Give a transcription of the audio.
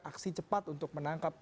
aksi cepat untuk menangkap